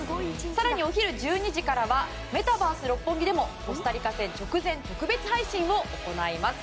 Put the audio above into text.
更に、お昼１２時からは「メタバース六本木」でもコスタリカ戦直前の特別配信を行います。